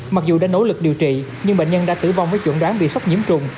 mặc dù đã nỗ lực điều trị nhưng bệnh nhân đã tử vong với chuẩn đoán bị sốc nhiễm trùng